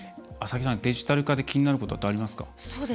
麻木さん、デジタル化で気になることありますか？